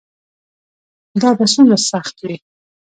دا به څومره سخت وي.